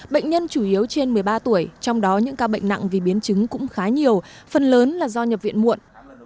bệnh nhân chủ yếu trên một mươi ba tuổi trong đó những ca bệnh nặng vì biến chứng cũng khá nhiều phần lớn là do nhập viện muộn